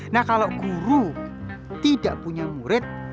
nah kalau guru tidak punya murid